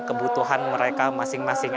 kebutuhan mereka masing masing